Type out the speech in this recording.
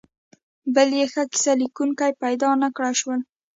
بل یې ښه کیسه لیکونکي پیدا نکړای شول.